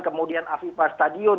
kemudian afifah stadion di dublin